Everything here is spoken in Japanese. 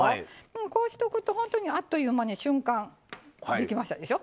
こうしとくとほんとにあっという間に瞬間できましたでしょ。